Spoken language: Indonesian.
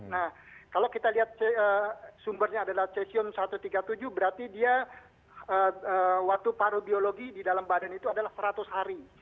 nah kalau kita lihat sumbernya adalah cesium satu ratus tiga puluh tujuh berarti dia waktu parobiologi di dalam badan itu adalah seratus hari